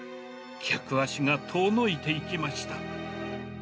客足が遠のいていきました。